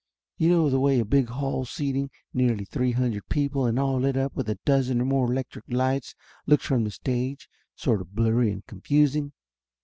You know the way a big hall seatinj nearly three hundred people and all lit up with a dozei or more electric lights looks from the stage sort of blurry and confusing.